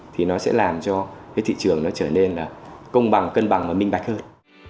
thì nó sẽ làm cho cái thị trường nó trở nên là công bằng cân bằng và minh bạch hơn